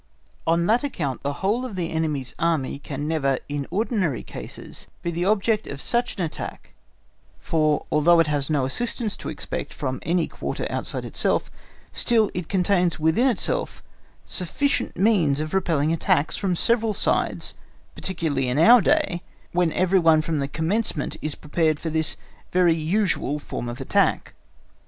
On that account the whole of the enemy's Army can never in ordinary cases be the object of such an attack for although it has no assistance to expect from any quarter outside itself, still, it contains within itself sufficient means of repelling attacks from several sides particularly in our day, when every one from the commencement is prepared for this very usual form of attack.